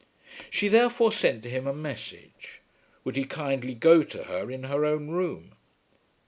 She therefore sent to him a message. Would he kindly go to her in her own room?